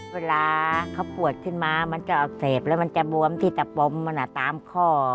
เวลาเขาปวดขึ้นมามันจะอักเสบแล้วมันจะบวมที่ตะปมมันตามข้อ